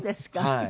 はい。